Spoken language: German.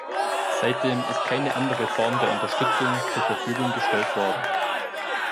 Seitdem ist keine andere Form der Unterstützung zur Verfügung gestellt worden.